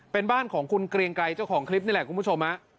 เป็นบ้านของคุณเกรียงไกรเจ้าของคลิปนี่แหละคุณผู้ชม